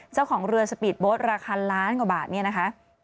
เจ้าของเรือสปีดโบสต์ราคาล้านกว่าบาทเนี่ยนะคะ